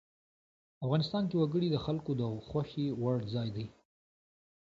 افغانستان کې وګړي د خلکو د خوښې وړ ځای دی.